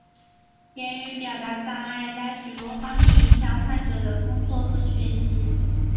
言语表达障碍在许多方面影响患者的工作和学习。